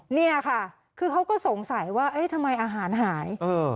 เนี่ยค่ะคือเขาก็สงสัยว่าเอ๊ะทำไมอาหารหาย